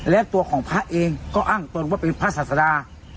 และตัวของพระเองก็อ้างตนว่าเป็นพระศาสดา